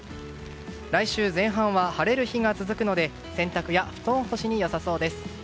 来週前半は晴れる日が続くので洗濯や布団干しに良さそうです。